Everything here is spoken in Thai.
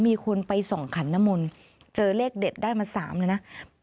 มีคนไป๒ขันนมนต์เจอเลขเด็ดได้มา๓นะนะ